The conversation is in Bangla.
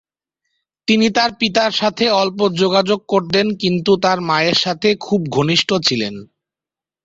তিনি তার পিতার সাথে অল্প যোগাযোগ করতেন, কিন্তু তার মায়ের সাথে খুব ঘনিষ্ঠ ছিলেন।